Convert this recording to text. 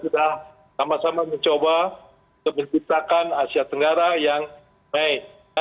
kita sama sama mencoba untuk menciptakan asia tenggara yang baik